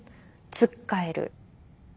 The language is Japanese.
つっかえる。